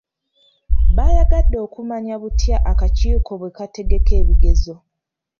Baayagadde okumanya butya akakiiko bwe kategeka ebigezo.